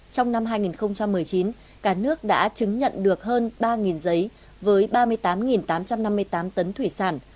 trong năm hai nghìn một mươi chín cả nước đã chứng nhận được hơn ba giấy với ba mươi tám tám trăm năm mươi tám tấn thủy sản